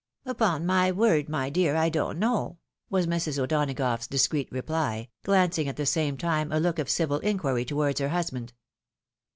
" Upon my word, my dear, I don't know," was Mrs. O'Donagough's discreet reply, glancing at the same time a look of civil inquiry towards her husband.